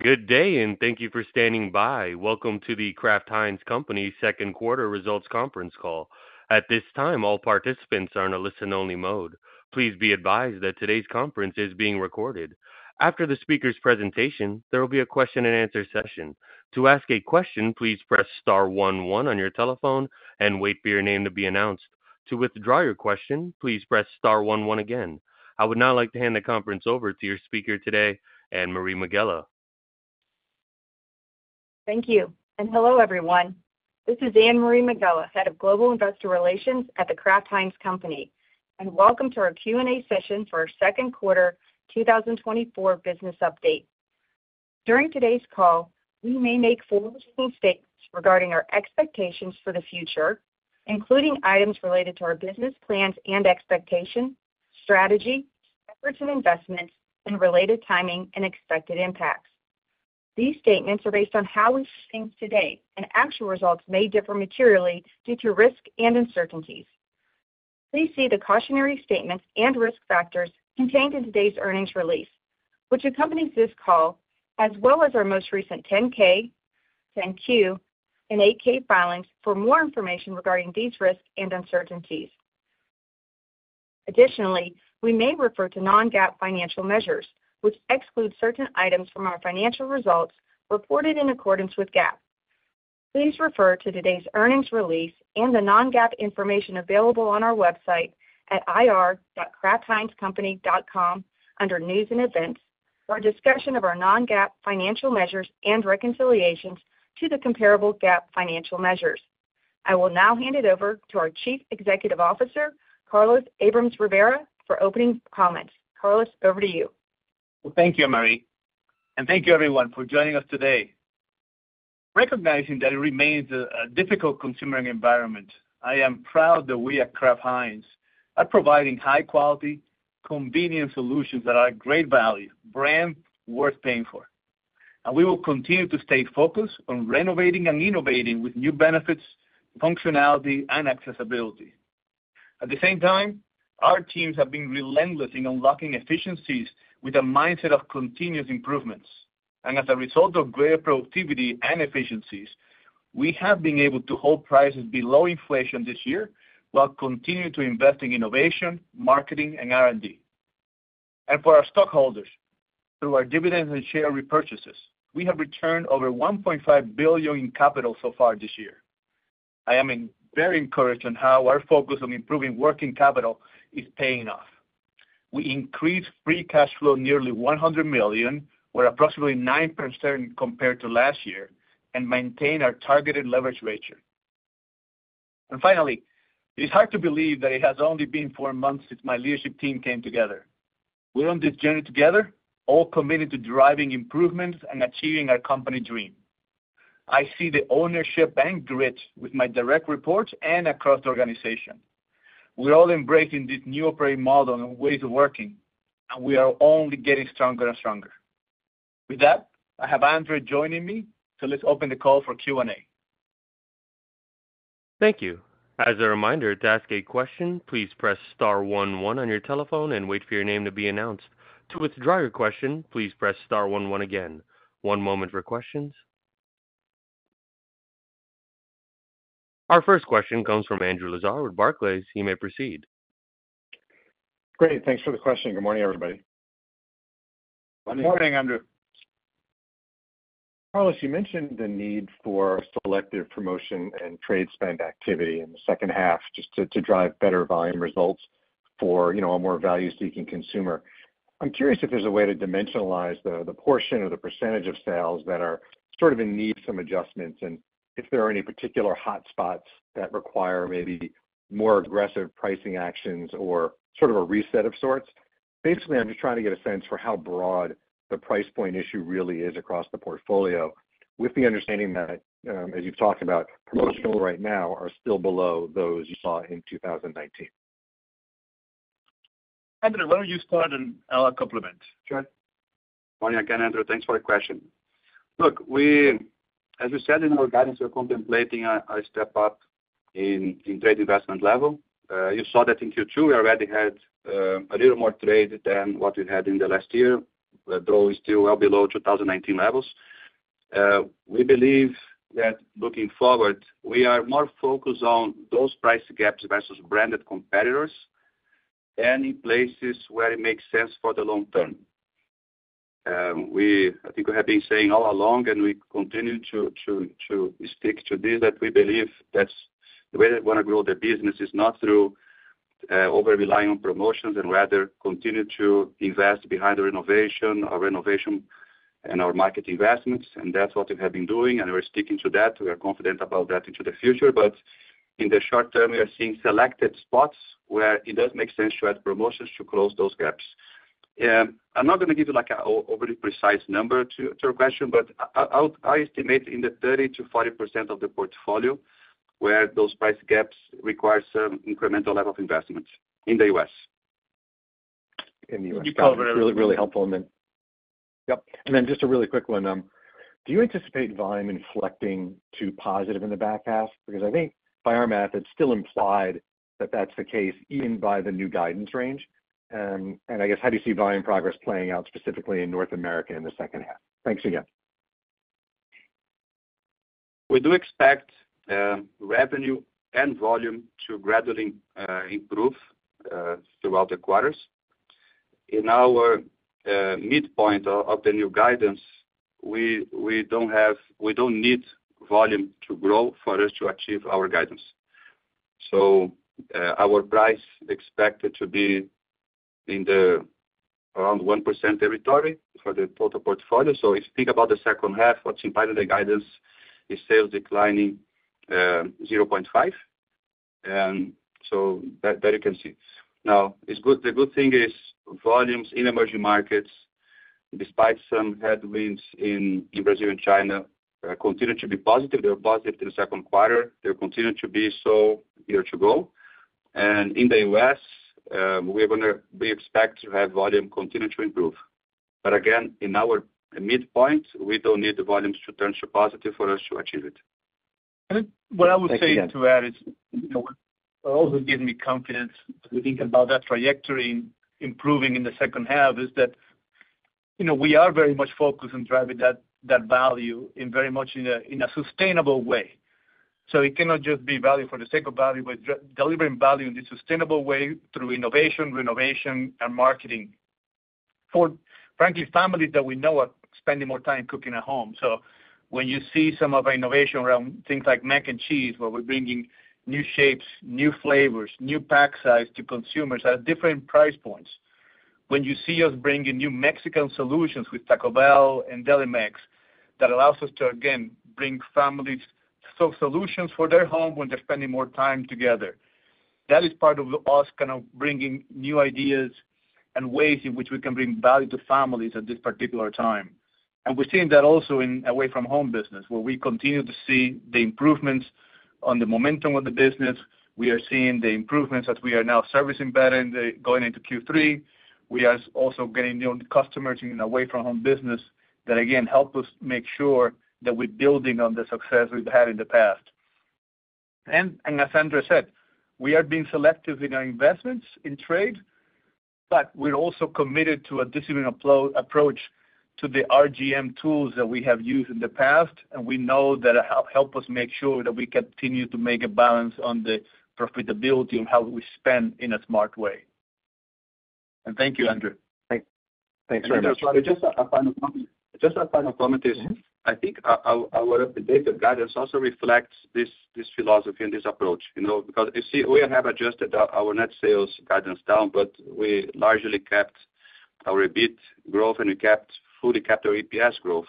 Good day, and thank you for standing by. Welcome to The Kraft Heinz Company second quarter results conference call. At this time, all participants are in a listen-only mode. Please be advised that today's conference is being recorded. After the speaker's presentation, there will be a question-and-answer session. To ask a question, please press star one-one on your telephone and wait for your name to be announced. To withdraw your question, please press star one-one again. I would now like to hand the conference over to your speaker today, Anne-Marie Megela. Thank you, and hello everyone. This is Anne-Marie Megela, head of global investor relations at The Kraft Heinz Company. Welcome to our Q&A session for our second quarter 2024 business update. During today's call, we may make forward-looking statements regarding our expectations for the future, including items related to our business plans and expectations, strategy, efforts and investments, and related timing and expected impacts. These statements are based on how we see things today, and actual results may differ materially due to risk and uncertainties. Please see the cautionary statements and risk factors contained in today's earnings release, which accompanies this call, as well as our most recent 10-K, 10-Q, and 8-K filings for more information regarding these risks and uncertainties. Additionally, we may refer to non-GAAP financial measures, which exclude certain items from our financial results reported in accordance with GAAP. Please refer to today's earnings release and the non-GAAP information available on our website at ir.kraftheinzcompany.com under news and events for discussion of our non-GAAP financial measures and reconciliations to the comparable GAAP financial measures. I will now hand it over to our Chief Executive Officer, Carlos Abrams-Rivera, for opening comments. Carlos, over to you. Thank you, Anne-Marie, and thank you everyone for joining us today. Recognizing that it remains a difficult consumer environment, I am proud that we at Kraft Heinz are providing high-quality, convenient solutions that are great value, brand worth paying for. And we will continue to stay focused on renovating and innovating with new benefits, functionality, and accessibility. At the same time, our teams have been relentless in unlocking efficiencies with a mindset of continuous improvements. And as a result of greater productivity and efficiencies, we have been able to hold prices below inflation this year while continuing to invest in innovation, marketing, and R&D. And for our stockholders, through our dividends and share repurchases, we have returned over $1.5 billion in capital so far this year. I am very encouraged on how our focus on improving working capital is paying off. We increased free cash flow nearly $100 million, or approximately 9% compared to last year, and maintain our targeted leverage ratio. And finally, it is hard to believe that it has only been four months since my leadership team came together. We're on this journey together, all committed to driving improvements and achieving our company dream. I see the ownership and grit with my direct reports and across the organization. We're all embracing this new operating model and ways of working, and we are only getting stronger and stronger. With that, I have Andre joining me, so let's open the call for Q&A. Thank you. As a reminder, to ask a question, please press star one-one on your telephone and wait for your name to be announced. To withdraw your question, please press star one-one again. One moment for questions. Our first question comes from Andrew Lazar with Barclays. He may proceed. Great. Thanks for the question. Good morning, everybody. Good morning, Andrew. Carlos, you mentioned the need for selective promotion and trade-spend activity in the second half just to drive better volume results for a more value-seeking consumer. I'm curious if there's a way to dimensionalize the portion or the percentage of sales that are sort of in need of some adjustments and if there are any particular hotspots that require maybe more aggressive pricing actions or sort of a reset of sorts. Basically, I'm just trying to get a sense for how broad the price point issue really is across the portfolio, with the understanding that, as you've talked about, promotional right now are still below those you saw in 2019. Andre, why don't you start and I'll complement. Sure. Good morning, again, Andrew. Thanks for the question. Look, as we said in our guidance, we're contemplating a step up in trade investment level. You saw that in Q2, we already had a little more trade than what we had in the last year. The draw is still well below 2019 levels. We believe that looking forward, we are more focused on those price gaps versus branded competitors and in places where it makes sense for the long term. I think we have been saying all along, and we continue to stick to this, that we believe that's the way they want to grow their business is not through over-relying on promotions and rather continue to invest behind the renovation, our renovation and our market investments. And that's what we have been doing, and we're sticking to that. We are confident about that into the future. But in the short term, we are seeing selected spots where it does make sense to add promotions to close those gaps. I'm not going to give you an overly precise number to your question, but I estimate in the 30%-40% of the portfolio where those price gaps require some incremental level of investment in the U.S. Can you cover that? Really helpful. Yep. And then just a really quick one. Do you anticipate volume inflecting to positive in the back half? Because I think by our math, it's still implied that that's the case even by the new guidance range. And I guess, how do you see volume progress playing out specifically in North America in the second half? Thanks again. We do expect revenue and volume to gradually improve throughout the quarters. In our midpoint of the new guidance, we don't need volume to grow for us to achieve our guidance. So our price is expected to be in the around 1% territory for the total portfolio. So if you think about the second half, what's impacted the guidance is sales declining 0.5. And so there you can see. Now, the good thing is volumes in emerging markets, despite some headwinds in Brazil and China, continue to be positive. They were positive in the second quarter. They continue to be so here to go. And in the U.S., we are going to be expected to have volume continue to improve. But again, in our midpoint, we don't need the volumes to turn to positive for us to achieve it. What I would say to add is what also gives me confidence as we think about that trajectory improving in the second half is that we are very much focused on driving that value in very much in a sustainable way. So it cannot just be value for the sake of value, but delivering value in this sustainable way through innovation, renovation, and marketing for, frankly, families that we know are spending more time cooking at home. So when you see some of our innovation around things like mac and cheese, where we're bringing new shapes, new flavors, new pack size to consumers at different price points, when you see us bringing new Mexican solutions with Taco Bell and Delimex that allows us to, again, bring families solutions for their home when they're spending more time together, that is part of us kind of bringing new ideas and ways in which we can bring value to families at this particular time. And we're seeing that also in away-from-home business, where we continue to see the improvements on the momentum of the business. We are seeing the improvements that we are now servicing better in going into Q3. We are also getting new customers in away-from-home business that, again, help us make sure that we're building on the success we've had in the past. As Andre said, we are being selective in our investments in trade, but we're also committed to a disciplined approach to the RGM tools that we have used in the past, and we know that it helps us make sure that we continue to make a balance on the profitability of how we spend in a smart way. And thank you, Andrew. Thanks very much. Andrew, just a final comment. Just a final comment is I think our up-to-date guidance also reflects this philosophy and this approach. Because you see, we have adjusted our net sales guidance down, but we largely kept our EBIT growth, and we fully kept our EPS growth.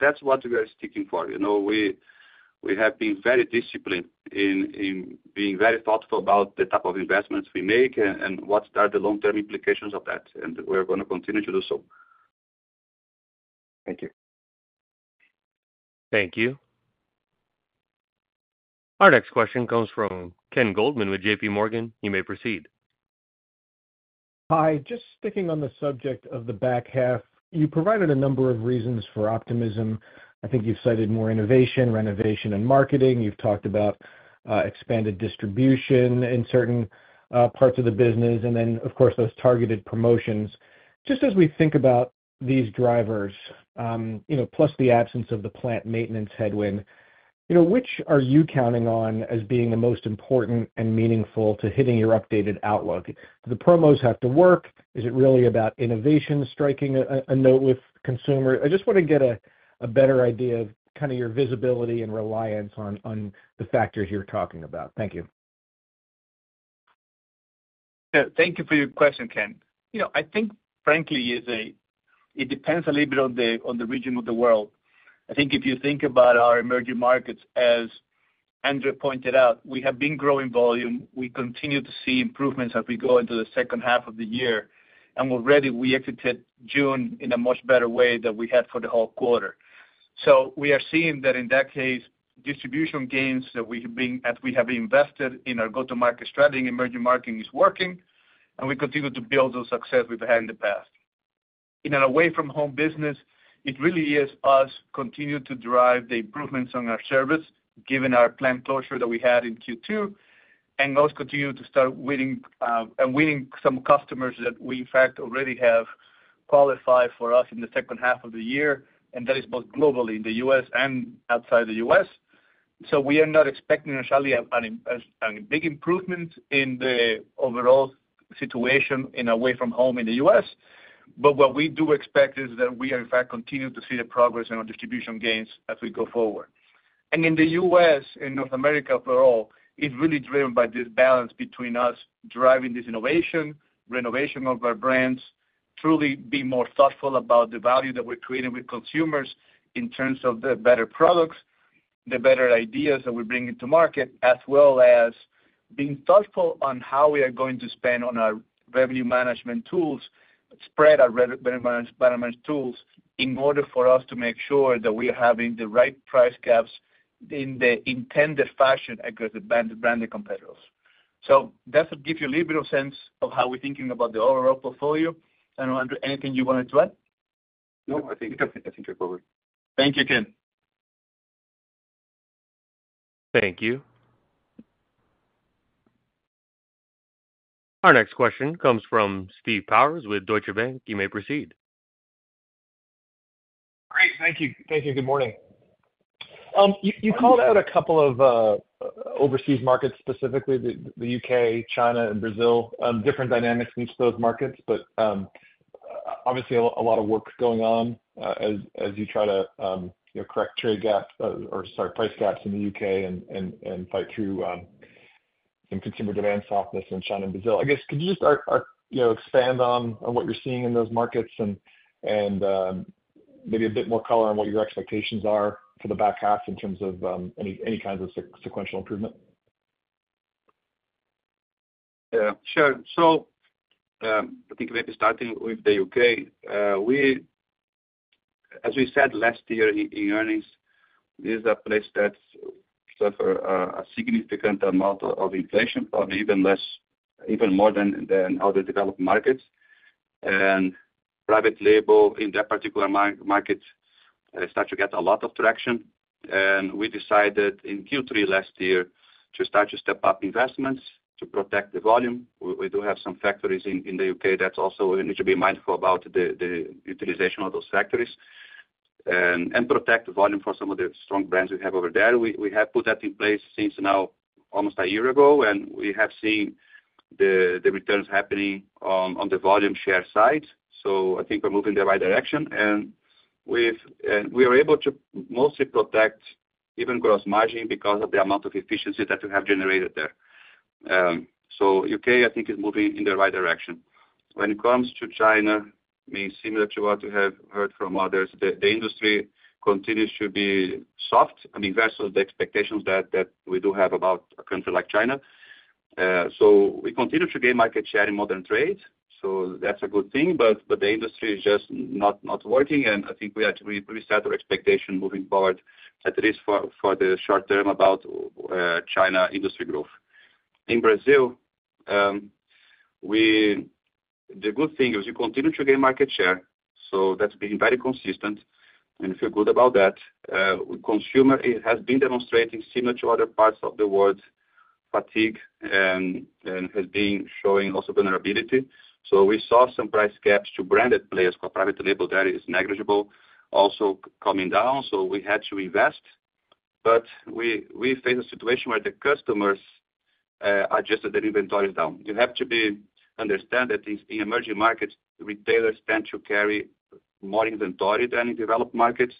That's what we are sticking for. We have been very disciplined in being very thoughtful about the type of investments we make and what are the long-term implications of that. We're going to continue to do so. Thank you. Thank you. Our next question comes from Ken Goldman with JPMorgan. You may proceed. Hi. Just sticking on the subject of the back half, you provided a number of reasons for optimism. I think you've cited more innovation, renovation, and marketing. You've talked about expanded distribution in certain parts of the business, and then, of course, those targeted promotions. Just as we think about these drivers, plus the absence of the plant maintenance headwind, which are you counting on as being the most important and meaningful to hitting your updated outlook? Do the promos have to work? Is it really about innovation striking a note with consumers? I just want to get a better idea of kind of your visibility and reliance on the factors you're talking about. Thank you. Thank you for your question, Ken. I think, frankly, it depends a little bit on the region of the world. I think if you think about our emerging markets, as Andre pointed out, we have been growing volume. We continue to see improvements as we go into the second half of the year. And already, we exited June in a much better way than we had for the whole quarter. So we are seeing that in that case, distribution gains that we have been invested in our go-to-market strategy in emerging markets is working, and we continue to build the success we've had in the past. In an away-from-home business, it really is us continuing to drive the improvements on our service, given our plant closure that we had in Q2, and us continuing to start winning some customers that we, in fact, already have qualified for us in the second half of the year. And that is both globally in the U.S. and outside the U.S. So we are not expecting necessarily a big improvement in the overall situation in away-from-home in the U.S. But what we do expect is that we are, in fact, continuing to see the progress in our distribution gains as we go forward. In the U.S. and North America overall, it's really driven by this balance between us driving this innovation, renovation of our brands, truly being more thoughtful about the value that we're creating with consumers in terms of the better products, the better ideas that we bring into market, as well as being thoughtful on how we are going to spend on our revenue management tools, spread our revenue management tools in order for us to make sure that we are having the right price gaps in the intended fashion against the branded competitors. That gives you a little bit of sense of how we're thinking about the overall portfolio. And Andre, anything you wanted to add? No, I think you're covered. Thank you, Ken. Thank you. Our next question comes from Steve Powers with Deutsche Bank. You may proceed. Great. Thank you. Thank you. Good morning. You called out a couple of overseas markets, specifically the U.K., China, and Brazil, different dynamics in each of those markets. But obviously, a lot of work going on as you try to correct trade gaps or, sorry, price gaps in the U.K. and fight through some consumer demand softness in China and Brazil. I guess, could you just expand on what you're seeing in those markets and maybe a bit more color on what your expectations are for the back half in terms of any kinds of sequential improvement? Yeah. Sure. So I think maybe starting with the U.K., as we said last year in earnings, this is a place that suffered a significant amount of inflation, probably even more than other developed markets. And private label in that particular market started to get a lot of traction. And we decided in Q3 last year to start to step up investments to protect the volume. We do have some factories in the U.K. that also need to be mindful about the utilization of those factories and protect the volume for some of the strong brands we have over there. We have put that in place since now almost a year ago, and we have seen the returns happening on the volume share side. So I think we're moving in the right direction. We are able to mostly protect even gross margin because of the amount of efficiency that we have generated there. U.K., I think, is moving in the right direction. When it comes to China, I mean, similar to what we have heard from others, the industry continues to be soft, I mean, versus the expectations that we do have about a country like China. We continue to gain market share in modern trade. That's a good thing. But the industry is just not working. And I think we set our expectation moving forward at least for the short term about China industry growth. In Brazil, the good thing is we continue to gain market share. That's been very consistent. And we feel good about that. Consumer has been demonstrating, similar to other parts of the world, fatigue and has been showing lots of vulnerability. So we saw some price gaps to branded players. Private label there is negligible, also coming down. So we had to invest. But we face a situation where the customers adjusted their inventories down. You have to understand that in emerging markets, retailers tend to carry more inventory than in developed markets.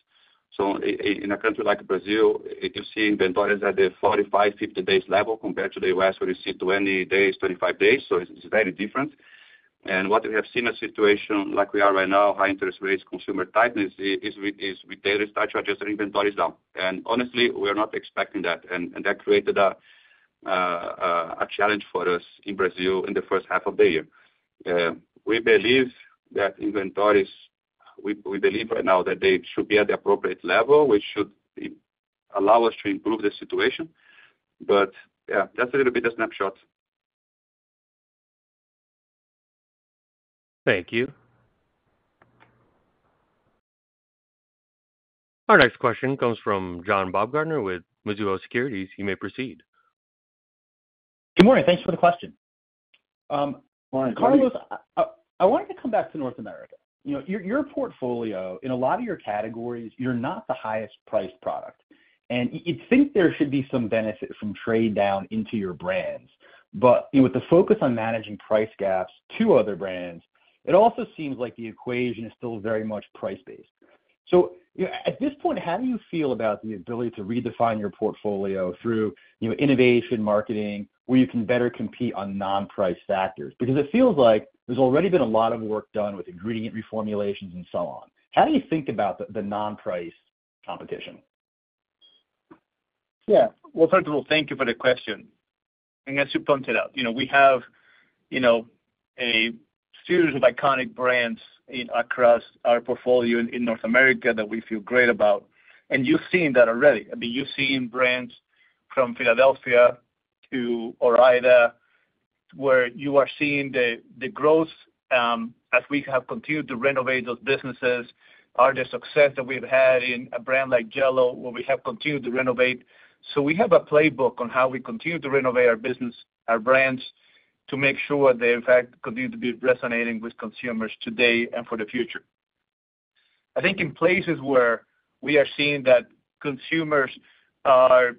So in a country like Brazil, you see inventories at the 45-50 days level compared to the U.S., where you see 20 days, 25 days. So it's very different. And what we have seen a situation like we are right now, high interest rates, consumer tightness, is retailers start to adjust their inventories down. And honestly, we are not expecting that. And that created a challenge for us in Brazil in the first half of the year. We believe that inventories, we believe right now that they should be at the appropriate level, which should allow us to improve the situation. But yeah, that's a little bit of a snapshot. Thank you. Our next question comes from John Baumgartner with Mizuho Securities. You may proceed. Good morning. Thanks for the question. Good morning. Carlos, I wanted to come back to North America. Your portfolio, in a lot of your categories, you're not the highest priced product. You think there should be some benefit from trade down into your brands. With the focus on managing price gaps to other brands, it also seems like the equation is still very much price-based. At this point, how do you feel about the ability to redefine your portfolio through innovation, marketing, where you can better compete on non-price factors? Because it feels like there's already been a lot of work done with ingredient reformulations and so on. How do you think about the non-price competition? Yeah. Well, first of all, thank you for the question. I guess you pointed out. We have a series of iconic brands across our portfolio in North America that we feel great about. And you've seen that already. I mean, you've seen brands from Philadelphia to Ore-Ida, where you are seeing the growth as we have continued to renovate those businesses, the success that we've had in a brand like Jell-O, where we have continued to renovate. So we have a playbook on how we continue to renovate our business, our brands, to make sure they, in fact, continue to be resonating with consumers today and for the future. I think in places where we are seeing that consumers are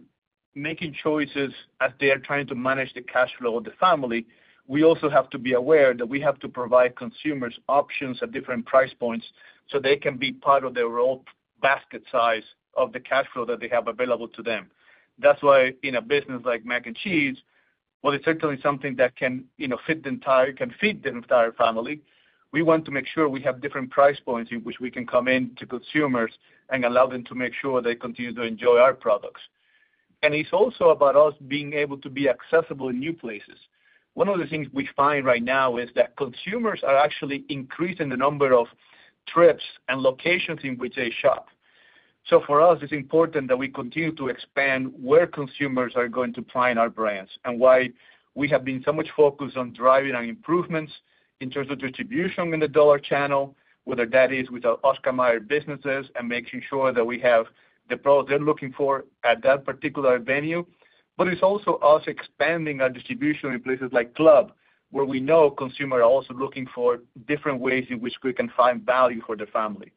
making choices as they are trying to manage the cash flow of the family, we also have to be aware that we have to provide consumers options at different price points so they can be part of their own basket size of the cash flow that they have available to them. That's why in a business like mac and cheese, well, it's certainly something that can fit the entire family. We want to make sure we have different price points in which we can come in to consumers and allow them to make sure they continue to enjoy our products. It's also about us being able to be accessible in new places. One of the things we find right now is that consumers are actually increasing the number of trips and locations in which they shop. So for us, it's important that we continue to expand where consumers are going to find our brands and why we have been so much focused on driving our improvements in terms of distribution in the dollar channel, whether that is with our Oscar Mayer businesses and making sure that we have the product they're looking for at that particular venue. But it's also us expanding our distribution in places like club, where we know consumers are also looking for different ways in which we can find value for the family.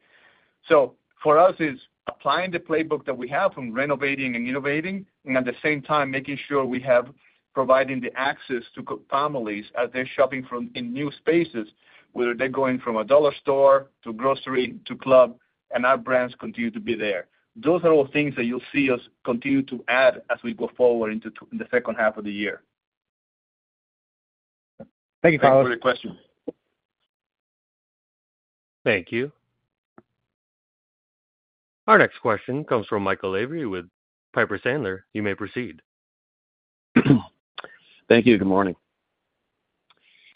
So for us, it's applying the playbook that we have from renovating and innovating, and at the same time, making sure we have provided the access to families as they're shopping in new spaces, whether they're going from a dollar store to grocery to club, and our brands continue to be there. Those are all things that you'll see us continue to add as we go forward into the second half of the year. Thank you, Carlos. Thanks for the question. Thank you. Our next question comes from Michael Lavery with Piper Sandler. You may proceed. Thank you. Good morning.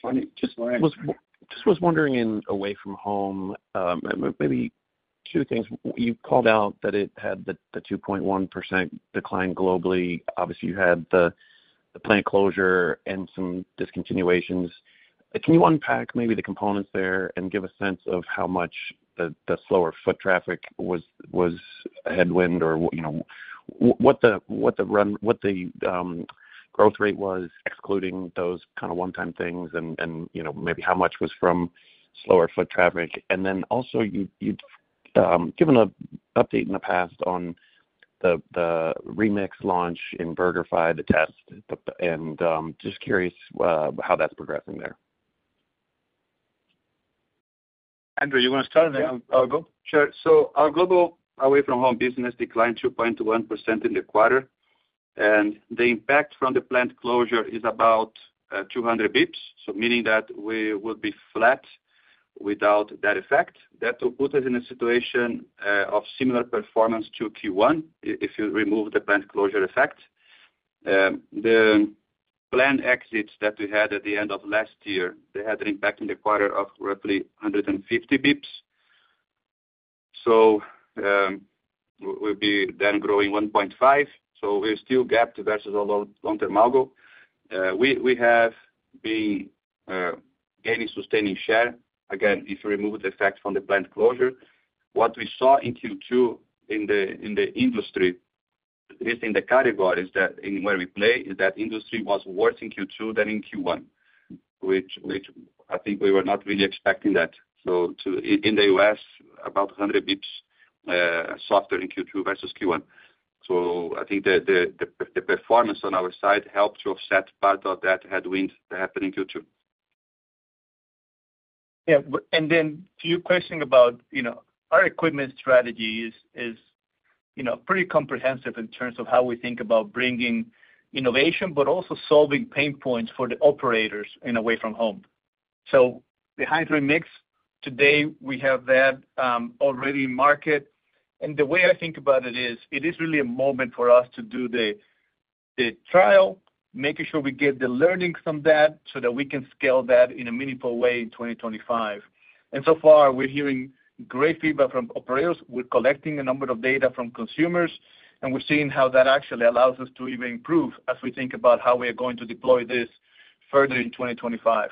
Morning. Just wondering. Just was wondering, in away-from-home, maybe two things. You called out that it had the 2.1% decline globally. Obviously, you had the plant closure and some discontinuations. Can you unpack maybe the components there and give a sense of how much the slower foot traffic was a headwind or what the growth rate was, excluding those kind of one-time things, and maybe how much was from slower foot traffic? And then also, you've given an update in the past on the REMIX launch in BurgerFi to test, and just curious how that's progressing there. Andre, you want to start? Sure. So our global away-from-home business declined 2.1% in the quarter. And the impact from the plant closure is about 200 bps, so meaning that we would be flat without that effect. That will put us in a situation of similar performance to Q1 if you remove the plant closure effect. The planned exits that we had at the end of last year, they had an impact in the quarter of roughly 150 bps. So we'll be then growing 1.5. So we're still gapped versus a long-term algo. We have been gaining sustaining share. Again, if you remove the effect from the plant closure, what we saw in Q2 in the industry, at least in the categories where we play, is that industry was worse in Q2 than in Q1, which I think we were not really expecting that. So in the U.S., about 100 bps softer in Q2 versus Q1. So I think the performance on our side helped to offset part of that headwind that happened in Q2. Yeah. And then to your question about our equipment strategy is pretty comprehensive in terms of how we think about bringing innovation, but also solving pain points for the operators in away-from-home. So the Heinz Remix, today, we have that already in market. And the way I think about it is it is really a moment for us to do the trial, making sure we get the learnings from that so that we can scale that in a meaningful way in 2025. And so far, we're hearing great feedback from operators. We're collecting a number of data from consumers, and we're seeing how that actually allows us to even improve as we think about how we are going to deploy this further in 2025.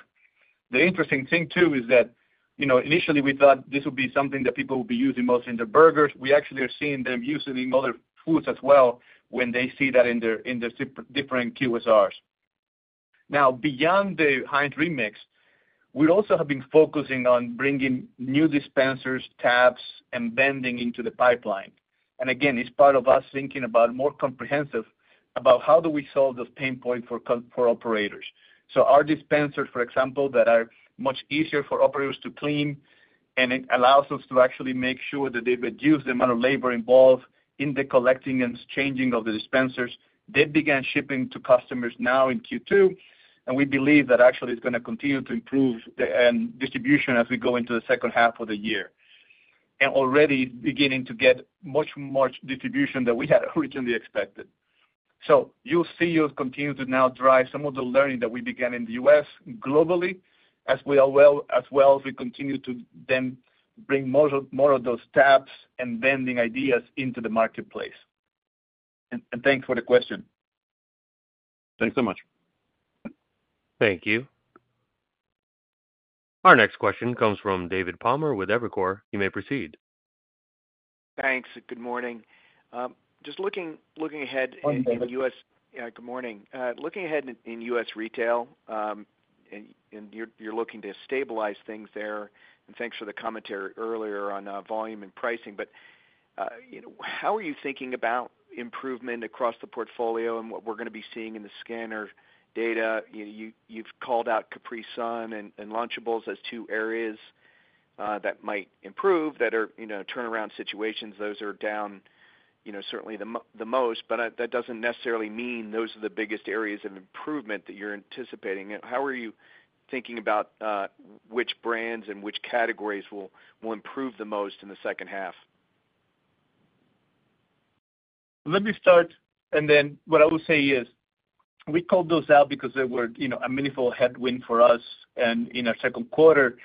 The interesting thing, too, is that initially, we thought this would be something that people would be using mostly in their burgers. We actually are seeing them using it in other foods as well when they see that in their different QSRs. Now, beyond the Heinz Remix, we also have been focusing on bringing new dispensers, tabs, and bending into the pipeline. And again, it's part of us thinking more comprehensive about how do we solve those pain points for operators. So our dispensers, for example, that are much easier for operators to clean and allows us to actually make sure that they reduce the amount of labor involved in the collecting and changing of the dispensers, they began shipping to customers now in Q2. We believe that actually it's going to continue to improve distribution as we go into the second half of the year. Already, it's beginning to get much more distribution than we had originally expected. So you'll see us continue to now drive some of the learning that we began in the U.S. globally, as well as we continue to then bring more of those tabs and bending ideas into the marketplace. Thanks for the question. Thanks so much. Thank you. Our next question comes from David Palmer with Evercore. You may proceed. Thanks. Good morning. Looking ahead in U.S. retail, and you're looking to stabilize things there. Thanks for the commentary earlier on volume and pricing. But how are you thinking about improvement across the portfolio and what we're going to be seeing in the scanner data? You've called out Capri Sun and Lunchables as two areas that might improve that are turnaround situations. Those are down certainly the most. But that doesn't necessarily mean those are the biggest areas of improvement that you're anticipating. How are you thinking about which brands and which categories will improve the most in the second half? Let me start. And then what I will say is we called those out because they were a meaningful headwind for us in our second quarter.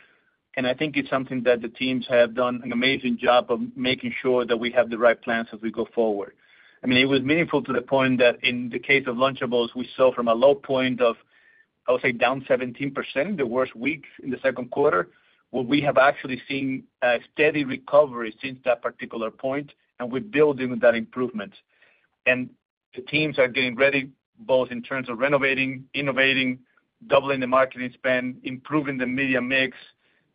And I think it's something that the teams have done an amazing job of making sure that we have the right plans as we go forward. I mean, it was meaningful to the point that in the case of Lunchables, we saw from a low point of, I would say, down 17% in the worst week in the second quarter, where we have actually seen a steady recovery since that particular point, and we're building with that improvement. And the teams are getting ready both in terms of renovating, innovating, doubling the marketing spend, improving the media mix,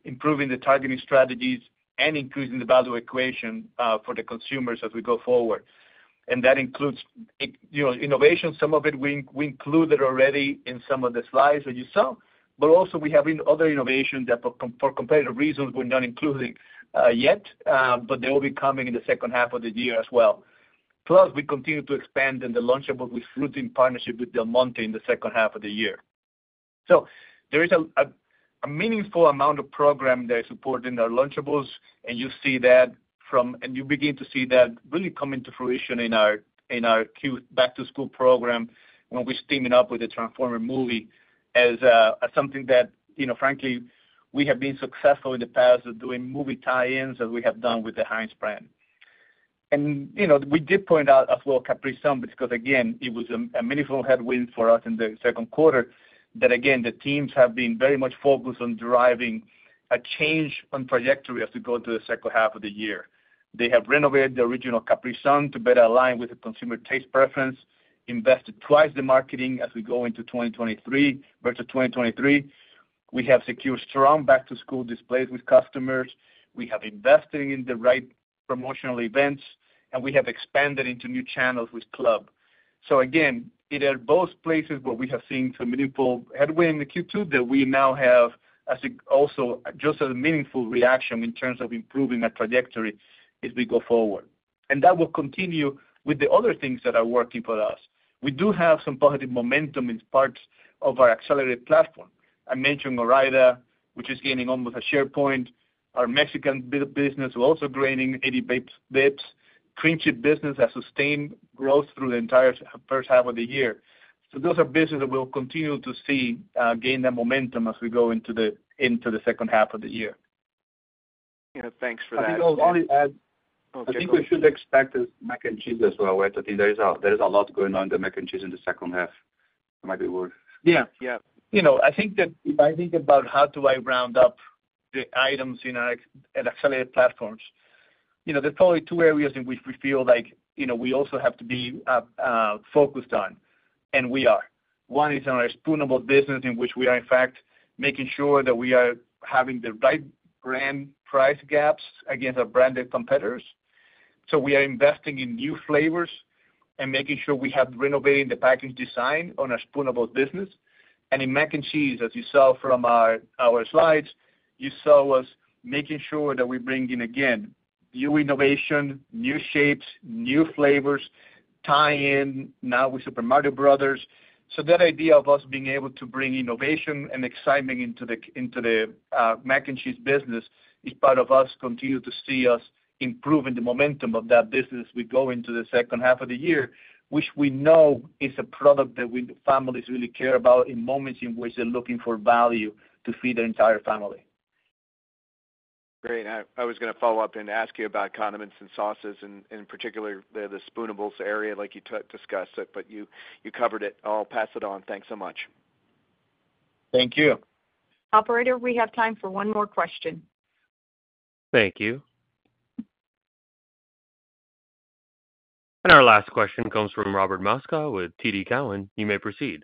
improving the targeting strategies, and increasing the value equation for the consumers as we go forward. And that includes innovation. Some of it we included already in some of the slides that you saw. But also, we have other innovations that for competitive reasons, we're not including yet, but they will be coming in the second half of the year as well. Plus, we continue to expand in the Lunchables with fruit in partnership with Del Monte in the second half of the year. So there is a meaningful amount of program that is supporting our Lunchables. And you see that from, and you begin to see that really come into fruition in our back-to-school program when we're teaming up with the Transformers movie as something that, frankly, we have been successful in the past of doing movie tie-ins as we have done with the Heinz brand. And we did point out as well Capri Sun because, again, it was a meaningful headwind for us in the second quarter that, again, the teams have been very much focused on driving a change on trajectory as we go into the second half of the year. They have renovated the original Capri Sun to better align with the consumer taste preference, invested twice the marketing as we go into 2023 versus 2023. We have secured strong back-to-school displays with customers. We have invested in the right promotional events, and we have expanded into new channels with club. So again, it are both places where we have seen some meaningful headwind in Q2 that we now have also just a meaningful reaction in terms of improving our trajectory as we go forward. And that will continue with the other things that are working for us. We do have some positive momentum in parts of our accelerated platform. I mentioned Ore-Ida, which is gaining almost a share point. Our Mexican business is also gaining 80 basis points. Cream Cheese business has sustained growth through the entire first half of the year. Those are businesses that we'll continue to see gain that momentum as we go into the second half of the year. Thanks for that. I think we should expect this mac and cheese as well, right? I think there is a lot going on in the mac and cheese in the second half. It might be worth. Yeah. Yeah. I think that if I think about how do I round up the items in our accelerated platforms, there's probably two areas in which we feel like we also have to be focused on, and we are. One is in our spoonable business in which we are, in fact, making sure that we are having the right brand price gaps against our branded competitors. So we are investing in new flavors and making sure we have renovated the package design on our spoonable business. And in mac and cheese, as you saw from our slides, you saw us making sure that we're bringing again new innovation, new shapes, new flavors, tie-in now with Super Mario Bros. That idea of us being able to bring innovation and excitement into the mac and cheese business is part of us continuing to see us improving the momentum of that business as we go into the second half of the year, which we know is a product that families really care about in moments in which they're looking for value to feed their entire family. Great. I was going to follow up and ask you about condiments and sauces, in particular the spoonables area like you discussed it, but you covered it. I'll pass it on. Thanks so much. Thank you. Operator, we have time for one more question. Thank you. Our last question comes from Robert Moskow with TD Cowen. You may proceed.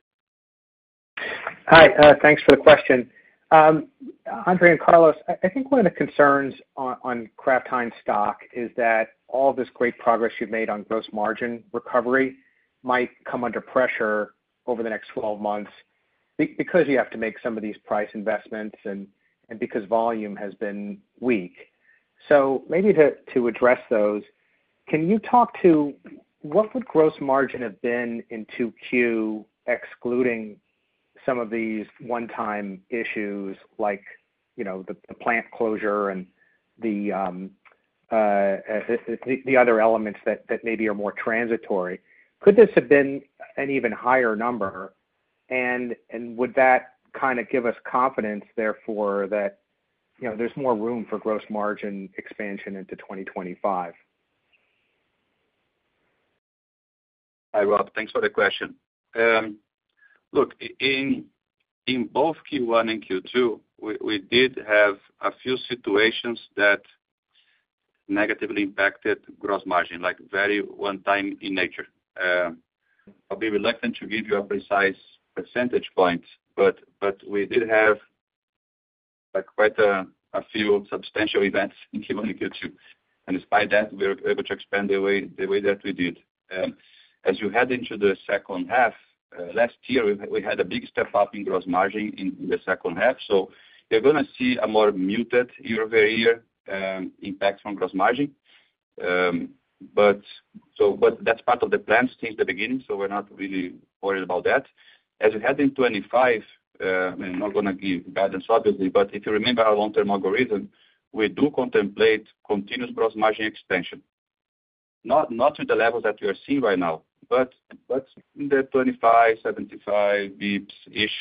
Hi. Thanks for the question. Andre and Carlos, I think one of the concerns on Kraft Heinz stock is that all of this great progress you've made on gross margin recovery might come under pressure over the next 12 months because you have to make some of these price investments and because volume has been weak. So maybe to address those, can you talk to what would gross margin have been in Q2 excluding some of these one-time issues like the plant closure and the other elements that maybe are more transitory? Could this have been an even higher number? And would that kind of give us confidence, therefore, that there's more room for gross margin expansion into 2025? Hi, Rob. Thanks for the question. Look, in both Q1 and Q2, we did have a few situations that negatively impacted gross margin, like very one-time in nature. I'll be reluctant to give you a precise percentage point, but we did have quite a few substantial events in Q1 and Q2. And despite that, we were able to expand the way that we did. As you head into the second half, last year, we had a big step up in gross margin in the second half. So you're going to see a more muted year-over-year impact from gross margin. But that's part of the plan since the beginning, so we're not really worried about that. As we head into 2025, I'm not going to give guidance, obviously, but if you remember our long-term algorithm, we do contemplate continuous gross margin expansion. Not to the levels that we are seeing right now, but in the 25-75 bps-ish.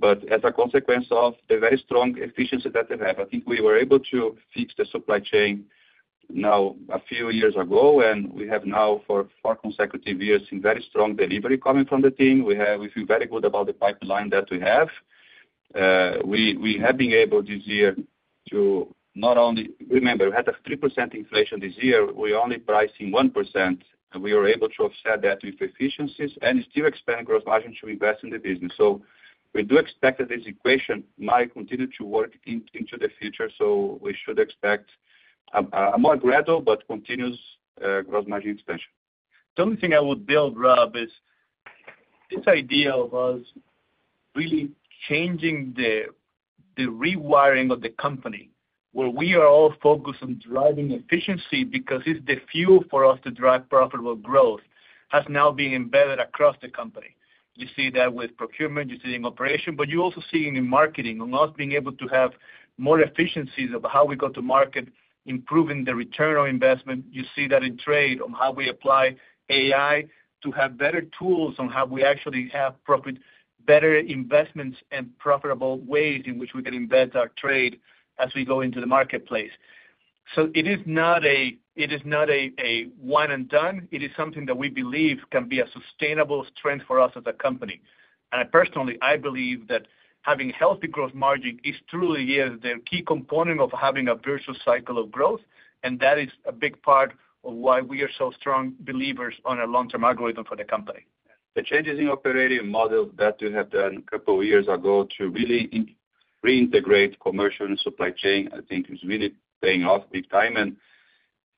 But as a consequence of the very strong efficiency that they have, I think we were able to fix the supply chain now a few years ago, and we have now for four consecutive years seen very strong delivery coming from the team. We feel very good about the pipeline that we have. We have been able this year to not only remember, we had a 3% inflation this year. We're only pricing 1%, and we were able to offset that with efficiencies and still expand gross margin to invest in the business. So we do expect that this equation might continue to work into the future, so we should expect a more gradual, but continuous gross margin expansion. The only thing I would build, Rob, is this idea of us really changing the rewiring of the company where we are all focused on driving efficiency because it's the fuel for us to drive profitable growth has now been embedded across the company. You see that with procurement, you see it in operation, but you also see it in marketing on us being able to have more efficiencies of how we go to market, improving the return on investment. You see that in trade on how we apply AI to have better tools on how we actually have better investments and profitable ways in which we can embed our trade as we go into the marketplace. So it is not a one-and-done. It is something that we believe can be a sustainable strength for us as a company. Personally, I believe that having healthy gross margin is truly the key component of having a virtuous cycle of growth, and that is a big part of why we are so strong believers on a long-term algorithm for the company. The changes in operating model that you have done a couple of years ago to really reintegrate commercial and supply chain, I think, is really paying off big time.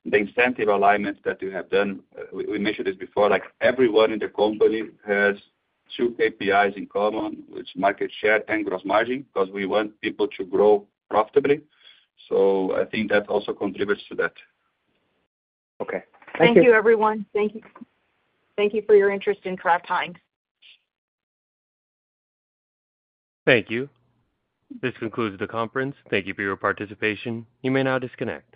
The incentive alignment that you have done, we mentioned this before, everyone in the company has two KPIs in common, which are market share and gross margin, because we want people to grow profitably. So I think that also contributes to that. Okay. Thank you. Thank you, everyone. Thank you for your interest in Kraft Heinz. Thank you. This concludes the conference. Thank you for your participation. You may now disconnect.